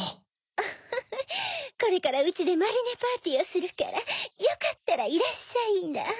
ウッフフこれからうちでマリネパーティーをするからよかったらいらっしゃいな。